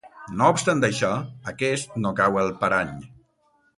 No obstant això, aquest no cau al parany.